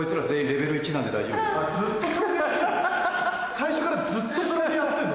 最初からずっとそれでやってんの？